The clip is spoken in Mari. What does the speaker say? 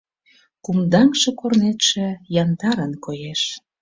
Кумдаҥше корнетше яндарын коеш